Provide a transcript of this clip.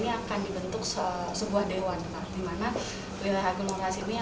pak anies bagaimana apakah dengan dipimpin dengan wakil presiden